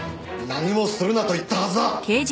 何もするなと言ったはずだ。